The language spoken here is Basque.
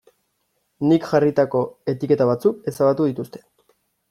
Nik jarritako etiketa batzuk ezabatu dituzte.